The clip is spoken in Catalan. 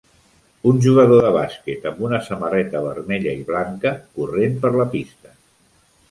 Un jugador de bàsquet amb una samarreta vermella i blanca corrent per la pista.